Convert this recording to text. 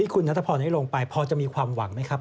คุณนัทพรได้ลงไปพอจะมีความหวังไหมครับ